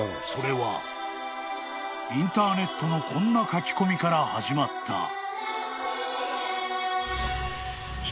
［それはインターネットのこんな書き込みから始まった］